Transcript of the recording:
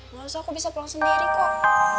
gak usah aku bisa pulang sendiri kok